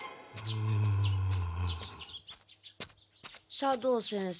斜堂先生